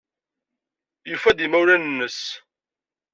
Yufa-d imawlan-nnes.